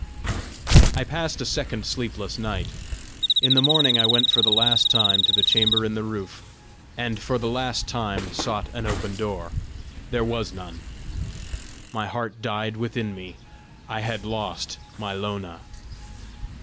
I passed a second sleepless night. In the morning I went for the last time to the chamber in the roof, and for the last time sought an open door: there was none. My heart died within me. I had lost my Lona!